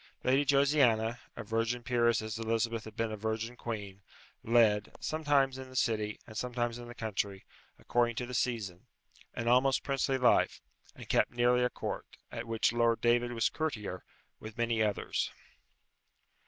Lady Josiana, a virgin peeress as Elizabeth had been a virgin queen, led sometimes in the City, and sometimes in the country, according to the season an almost princely life, and kept nearly a court, at which Lord David was courtier, with many others.